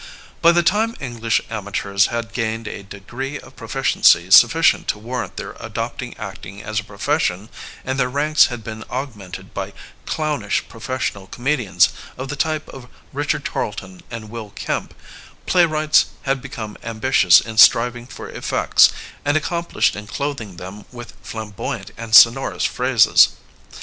By the time English amateurs had gained a de gree of proficiency sufficient to warrant their adopt ing acting as a profession and their ranks had been augmented by clownish professional comedians of the type of Richard Torlton and Will Kemp, play wrights had become ambitious in striving for effects and accomplished in clothing them with flamboyant and sonorous phrases.